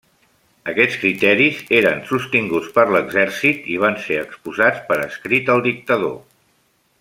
Aquests criteris eren sostinguts per l'Exèrcit i van ser exposats per escrit al dictador.